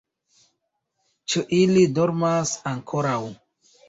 Ĉu ili dormas ankoraŭ?